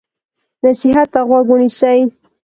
نصیحت ته غوږ ونیسئ.